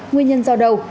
nguyên nhân do đâu